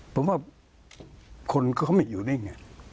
ผมว่าคนเขาไม่อยู่นิ่ง